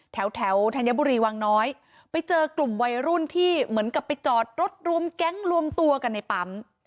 แถวแถวธัญบุรีวังน้อยไปเจอกลุ่มวัยรุ่นที่เหมือนกับไปจอดรถรวมแก๊งรวมตัวกันในปั๊ม